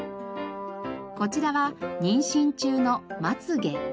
こちらは妊娠中のマツゲ。